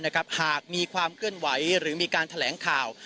หากที่มีความเกินไหวหรือมีการแถลงข่าว